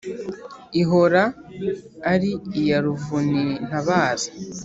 Ihora ari iya Ruvunintabaza